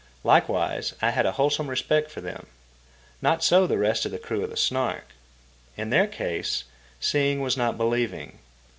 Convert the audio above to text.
Likewise I had a wholesome respect for them. Not so the rest of the crew of the Snark. In their case, seeing was not believing.